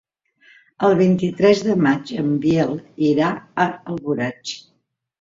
El vint-i-tres de maig en Biel irà a Alboraig.